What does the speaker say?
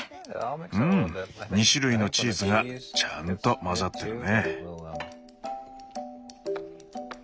うん２種類のチーズがちゃんと混ざってるね。